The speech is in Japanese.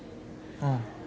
ああ。